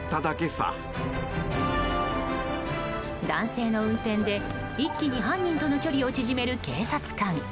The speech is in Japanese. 男性の運転で、一気に犯人との距離を縮める警察官。